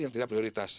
yang tidak prioritas